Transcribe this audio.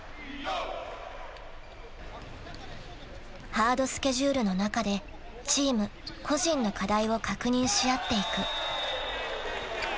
［ハードスケジュールの中でチーム個人の課題を確認し合っていく］